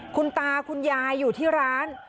คุณตาคุณยายอยู่ที่ร้าน